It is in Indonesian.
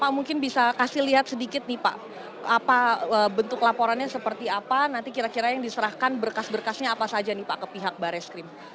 pak mungkin bisa kasih lihat sedikit nih pak apa bentuk laporannya seperti apa nanti kira kira yang diserahkan berkas berkasnya apa saja nih pak ke pihak barreskrim